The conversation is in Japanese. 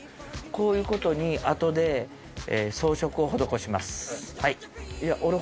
こういうとこに後で装飾を施します。